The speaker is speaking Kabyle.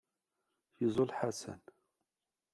Yeẓẓul Ḥasan.